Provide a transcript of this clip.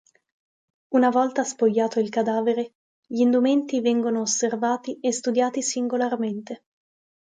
Una volta spogliato il cadavere gli indumenti vengono osservati e studiati singolarmente.